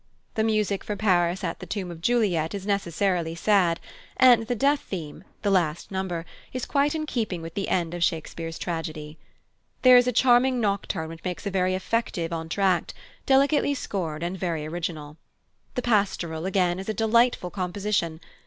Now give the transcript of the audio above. The music for Paris at the tomb of Juliet is necessarily sad, and the Death theme, the last number, is quite in keeping with the end of Shakespeare's tragedy. There is a charming nocturne which makes a very effective entr'acte, delicately scored and very original. The Pastoral, again, is a delightful composition.